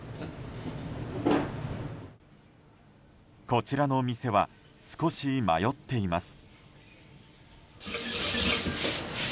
こちらの店は少し迷っています。